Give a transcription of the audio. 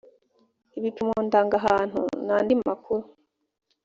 ibipimo ndangahantu n andi makuru